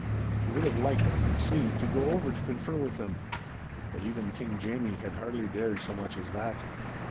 He would have liked, I could see, to go over to confer with them. But even King Jamie had hardly dared so much as that.